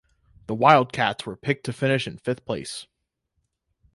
The Wildcats were picked to finish in fifth place.